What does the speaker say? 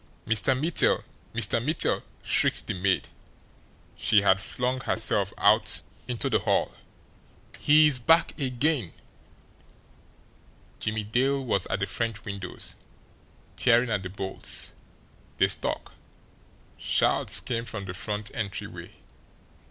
"Mr. Mittel! Mr. Mittel!" shrieked the maid she had flung herself out into the hall. "He's he's back again!" Jimmie Dale was at the French windows, tearing at the bolts. They stuck. Shouts came from the front entryway.